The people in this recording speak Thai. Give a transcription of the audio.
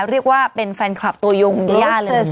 ก็เรียกว่าเป็นแฟนคลับตัวยุงดิยาเลยนะจ๊ะ